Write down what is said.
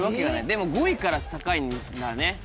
でも５位から境だね。